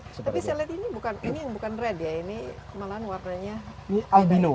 tapi saya lihat ini yang bukan red ya ini malahan warnanya albino ya